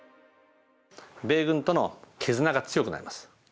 米軍との絆が強くなります。